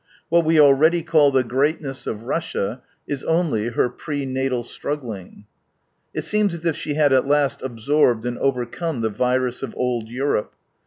What we already call the greatness of Russia is only her pre natal struggling. It seems as if she had at last absorbed and overcome the virus of old Europe.